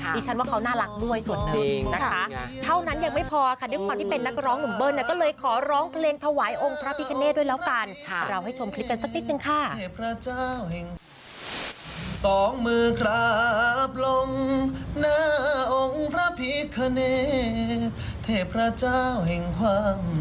ดิฉันว่าเขาน่ารักด้วยส่วนหนึ่งนะคะเท่านั้นยังไม่พอค่ะด้วยความที่เป็นนักร้องหนุ่มเบิ้ลก็เลยขอร้องเพลงถวายองค์พระพิฆเนตด้วยแล้วกัน